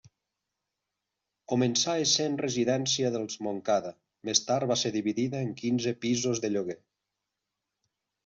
Començà essent residència dels Montcada, més tard va ser dividida en quinze pisos de lloguer.